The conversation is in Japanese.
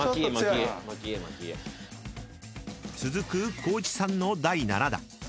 ［続く光一さんの第７打］